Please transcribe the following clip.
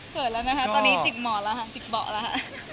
เผิดแล้วนะฮะตอนนี้จิกหมอแล้วฮะจิกเบาะแล้วฮะ